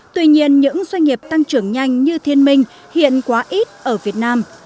tuy nhiên những doanh nghiệp tăng trưởng nhanh như thiên minh hiện quá ít ở việt nam